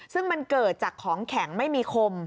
ซึ่งมันเกิดจากของแข็งไม่มีคม